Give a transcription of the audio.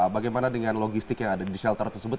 bagaimana dengan logistik yang ada di shelter tersebut